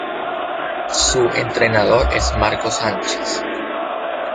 Su entrenador es Marco Sánchez.